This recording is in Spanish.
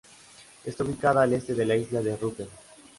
Está ubicado al este de la isla de Rügen.